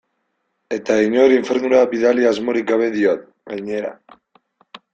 Eta inor infernura bidali asmorik gabe diot, gainera.